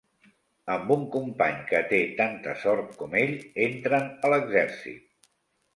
Amb un company que té tanta sort com ell, entren a l'exèrcit.